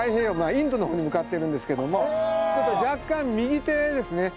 インドの方に向かっているんですけども若干右手ですね